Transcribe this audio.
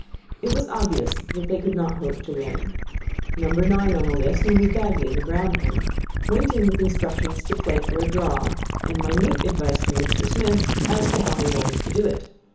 It was obvious that they could not hope to win. Number nine on the list, who was Bagley, the ground man, went in with instructions to play for a draw, and minute advice from Mr Smith as to how he was to do it.